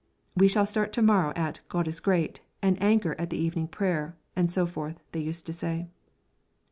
'We shall start to morrow at "God is great," and anchor at the evening prayer,' and so forth, they used to say.